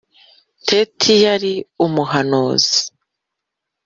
Teti yari umuhanuzi